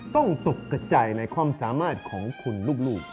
ตกกระจายในความสามารถของคุณลูก